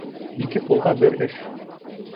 Ике ҡулға бер эш.